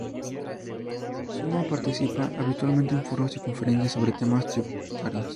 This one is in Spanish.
Suma participa habitualmente en foros y conferencias sobre temas tributarios.